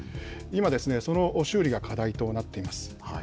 今、その修理が課題となっています。